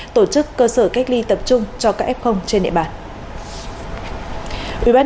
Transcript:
tổ chức cơ sở cách ly tập trung cho các f trên địa bàn